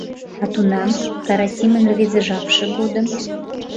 А тунам, Карасимын рвезе жапше годым?